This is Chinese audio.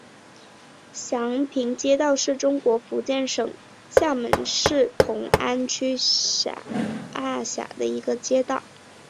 祥平街道是中国福建省厦门市同安区下辖的一个街道。